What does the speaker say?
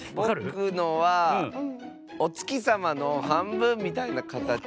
ぼくのはおつきさまのはんぶんみたいなかたちですね。